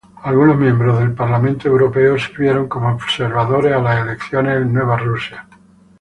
Algunos miembros del Parlamento Europeo sirvieron como observadores a las elecciones en Nueva Rusia.